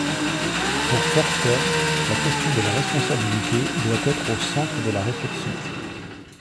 Pour Fœrster, la question de la responsabilité doit être au centre de la réflexion.